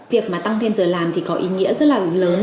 việc mà tăng thêm giờ làm thì có ý nghĩa rất là lớn